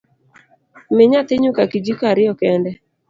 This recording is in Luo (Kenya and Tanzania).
Mi nyathi nyuka kijiko ariyo kende